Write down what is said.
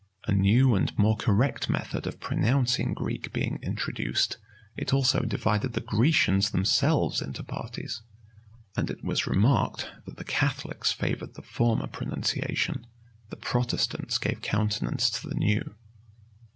A new and more correct method of pronouncing Greek being introduced, it also divided the Grecians themselves into parties; and it was remarked that the Catholics favored the former pronunciation, the Protestants gave countenance to the new.